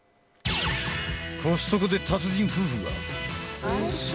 コスト子で達人夫婦が。